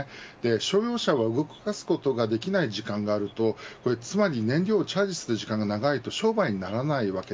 商用車は、動かすことができない時間があるとつまり燃料をチャージする時間が長いと商売になりません。